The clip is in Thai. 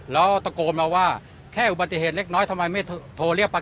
แล้วตะโกนมาว่าแค่อุบัติเหตุเล็กน้อยทำไมไม่โทรเรียกประกัน